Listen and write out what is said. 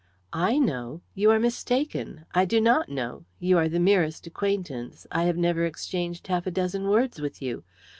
"I know! You are mistaken. I do not know. You are the merest acquaintance; I have never exchanged half a dozen words with you.